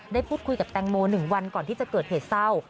ได้พูดคุยกับแตงโม๑วันก่อนที่จะเกิดเหตุเศร้า